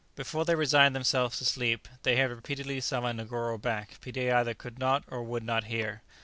Before they resigned themselves to sleep, they had repeatedly summoned Negoro back, but he either could not or would not hear.